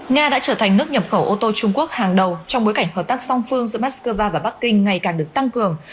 nga đã trở thành nước nhập khẩu ô tô trung quốc hàng đầu trong bối cảnh hợp tác song phương giữa moscow và bắc kinh ngày càng được tăng cường